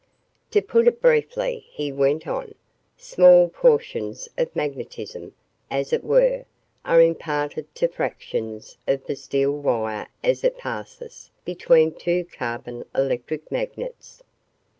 "To put it briefly," he went on, "small portions of magnetism, as it were, are imparted to fractions of the steel wire as it passes between two carbon electric magnets.